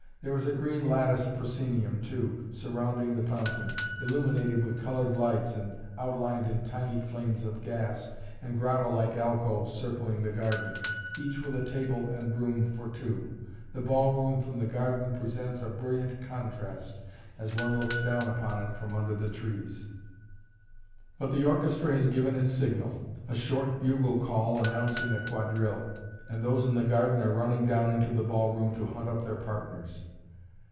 There is a green lattice proscenium, too, surrounding the fountain, illuminated with colored lights and outlined in tiny flames of gas, and grotto like alcoves circling the garden, each with a table and room for two. The ball room from the garden presents a brilliant contrast, as one looks down upon it from under the trees. [Illustration: (portrait of woman)] But the orchestra has given its signal a short bugle call announcing a quadrille; and those in the garden are running down into the ball room to hunt up their partners.